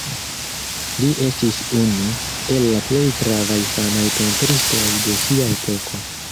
Li estis unu el la plej gravaj famaj pentristoj de sia epoko.